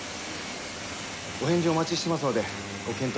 お返事お待ちしてますのでご検討